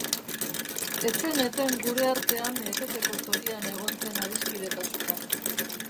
Ez zen eten gure artean eteteko zorian egon zen adiskidetasuna.